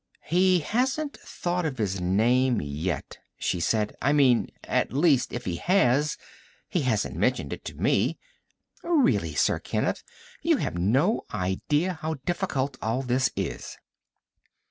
"He hasn't thought of his name yet," she said. "I mean, at least if he has, he hasn't mentioned it to me. Really, Sir Kenneth, you have no idea how difficult all this is."